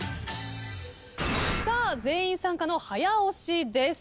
さあ全員参加の早押しです。